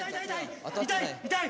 痛い痛い！